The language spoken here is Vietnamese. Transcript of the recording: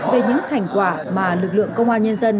về những thành quả mà lực lượng công an nhân dân